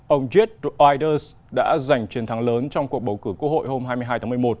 ông geert wijders đã giành truyền thắng lớn trong cuộc bầu cử quốc hội hôm hai mươi hai tháng một mươi một